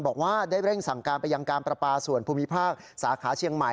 บอกว่าได้เร่งสั่งการไปยังการประปาส่วนภูมิภาคสาขาเชียงใหม่